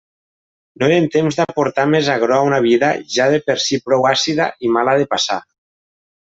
No eren temps d'aportar més agror a una vida ja de per si prou àcida i mala de passar.